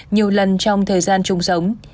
nhiều lần trong thời gian chung sống